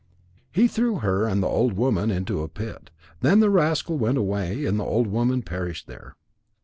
He threw her and the old woman into a pit. Then the rascal went away and the old woman perished there.